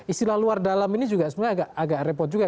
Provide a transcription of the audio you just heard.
istilah luar dalam ini juga sebenarnya agak repot juga